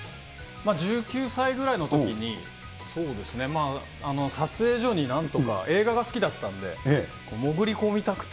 １９歳ぐらいのときに、そうですね、撮影所になんとか、映画が好きだったんで、潜り込みたくて。